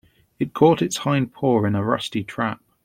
It caught its hind paw in a rusty trap.